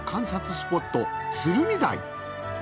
スポット鶴見台。